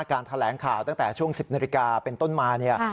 การแถลงข่าวตั้งแต่ช่วง๑๐นาฬิกาเป็นต้นมาเนี่ย